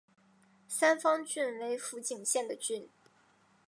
三方郡为福井县的郡。